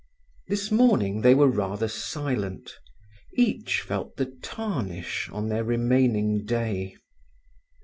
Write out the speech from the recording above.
This morning they were rather silent. Each felt the tarnish on their remaining day.